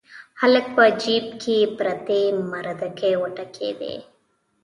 هلک په جيب کې پرتې مردکۍ وټکېدې.